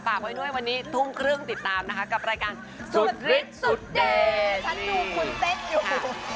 ฝากไว้ด้วยวันนี้ทุ่มครึ่งติดตามนะคะกับรายการสุดฤทธิ์สุดเดช